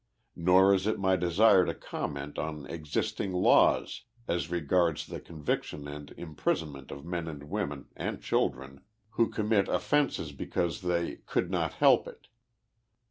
Xor is it my desire to comment on existing laws as regards the conviction and impri sonment of men and women, and children, who commit offences because they '* could not help it."